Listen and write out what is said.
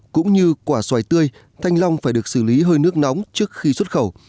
cũng như quả xoài tươi thanh long phải được xử lý hơi nước nóng trước khi xuất khẩu